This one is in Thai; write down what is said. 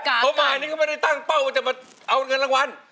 เขาหมายนึงก็ไม่ได้ตั้งเป้าจะมาเอาเงินรางวัล